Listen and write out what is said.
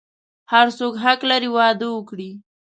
هر څوک حق لری واده وکړی